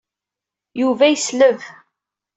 Yuba yesleb.